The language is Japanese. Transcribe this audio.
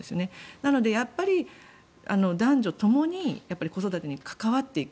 なので、男女ともに子育てに関わっていく。